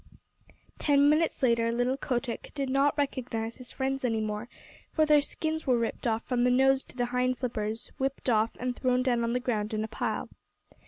Ten minutes later little Kotick did not recognize his friends any more, for their skins were ripped off from the nose to the hind flippers, whipped off and thrown down on the ground in a pile.